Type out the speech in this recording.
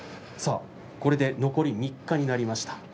これで残り３日になりました。